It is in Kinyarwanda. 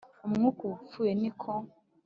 Umwuka uba upfuye ni ko